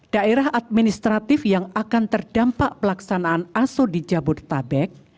daerah administratif yang akan terdampak pelaksanaan aso di jabodetabek